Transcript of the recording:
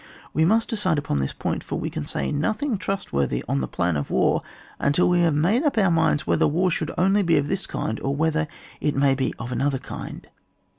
We must decide upon this point, for we can say nothing trustworthy on the l*lan of War until we have made up our minds whether war should only be of this kind, or whether it may be of another kind.